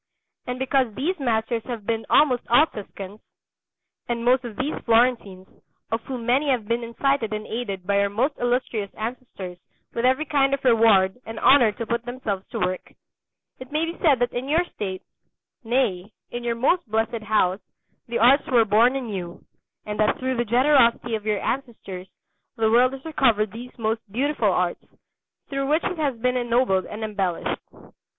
And because these masters have been almost all Tuscans, and most of these Florentines, of whom many have been incited and aided by your most Illustrious ancestors with every kind of reward and honour to put themselves to work, it may be said that in your state, nay, in your most blessed house the arts were born anew, and that through the generosity of your ancestors the world has recovered these most beautiful arts, through which it has been ennobled and embellished.